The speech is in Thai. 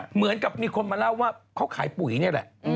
เหมือนกับมีคนมาเล่าว่าเขาขายปุ๋ยนี่แหละ